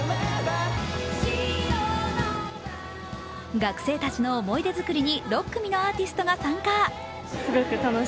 学生たちの思いでづくりに６組のアーティストが参加。